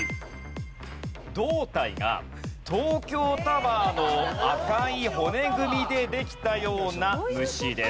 胴体が東京タワーの赤い骨組みでできたような虫です。